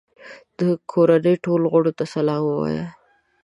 د کورنۍ ټولو غړو ته سلام ووایه.